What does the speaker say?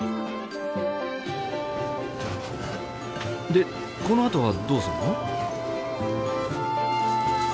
でこのあとはどうするの？